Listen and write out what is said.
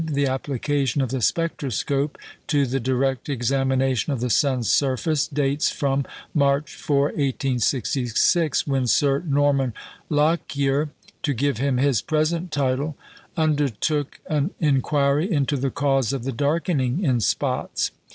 The application of the spectroscope to the direct examination of the sun's surface dates from March 4, 1866, when Sir Norman Lockyer (to give him his present title) undertook an inquiry into the cause of the darkening in spots.